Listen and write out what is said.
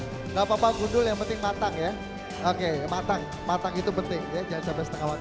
enggak papa gundul yang penting matang ya oke matang matang itu penting ya jangan sampai setengah